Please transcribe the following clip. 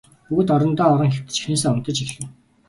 Бүгд орондоо орон хэвтэж эхнээсээ унтаж эхлэв.